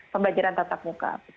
pembelajaran tatap muka